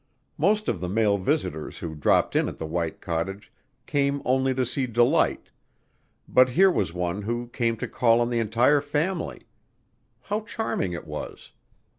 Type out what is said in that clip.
Most of the male visitors who dropped in at the white cottage came only to see Delight, but here was one who came to call on the entire family. How charming it was!